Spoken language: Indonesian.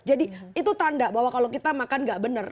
jadi itu tanda bahwa kalau kita makan nggak bener